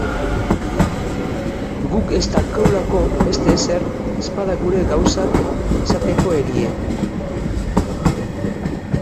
Guk estaukulako beste ezer, ezpada gure gauzek esateko erie.